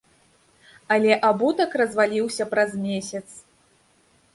Але абутак разваліўся праз месяц.